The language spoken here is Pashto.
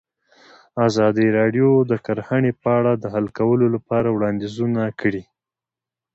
ازادي راډیو د کرهنه په اړه د حل کولو لپاره وړاندیزونه کړي.